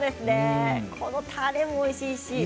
このたれもおいしいし。